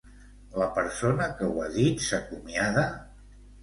La persona que ho ha dit s'acomiada?